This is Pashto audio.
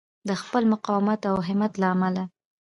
د خپل مقاومت او همت له امله.